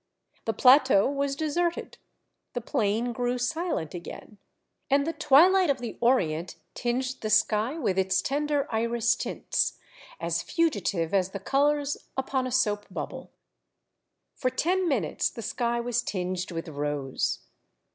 The plateau was deserted, the plain grew silent again, and the twi light of the Orient tinged the sky with its tender iris tints, as fugitive as the colors upon a soap bubble. For ten minutes the sky was tinged with rose.